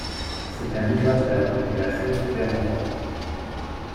C'est un migrateur depuis l'Afrique vers l'Europe.